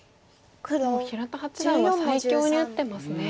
もう平田八段は最強に打ってますね。